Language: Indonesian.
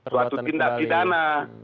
suatu tindak pidana